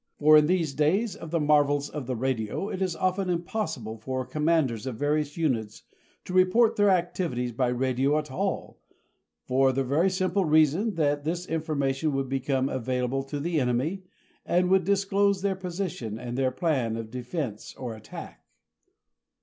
For in these days of the marvels of the radio it is often impossible for the Commanders of various units to report their activities by radio at all, for the very simple reason that this information would become available to the enemy and would disclose their position and their plan of defense or attack.